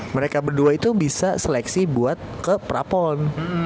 mereka berdua itu bisa seleksi buat ke pra pon